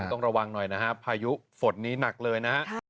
ต้องระวังหน่อยนะฮะพายุฝนนี้หนักเลยนะฮะ